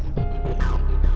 aku mau main ke rumah intan